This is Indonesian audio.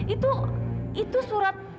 itu itu surat